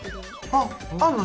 あっあんの？